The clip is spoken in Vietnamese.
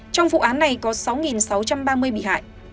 trong vụ án này có sáu sáu trăm ba mươi bị hại